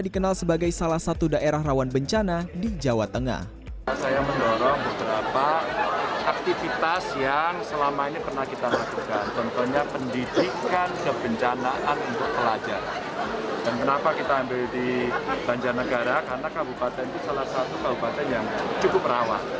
karena kabupaten itu salah satu kabupaten yang cukup rawat apalagi tanah loktor